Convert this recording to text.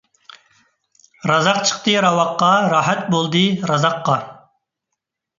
رازاق چىقتى راۋاققا، راھەت بولدى رازاققا.